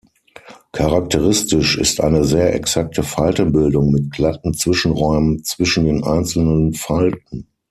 Charakteristisch ist eine sehr exakte Faltenbildung mit glatten Zwischenräumen zwischen den einzelnen Falten.